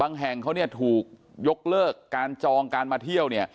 บางแห่งเขาถูกยกเลิกการจองการมาเที่ยว